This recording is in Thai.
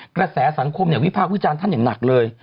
กระแสสังคมวิพากษ์วิจารณ์ท่านอย่างหนักเลย